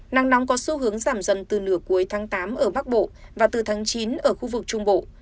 nắng nóng có xu hướng giảm dần từ nửa cuối tháng tám ở bắc bộ và từ tháng chín ở khu vực trung bộ